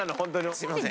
すいません。